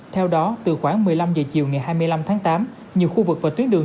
theo đó từ khoảng một mươi năm h chiều ngày hai mươi năm tháng tám nhiều khu vực và tuyến đường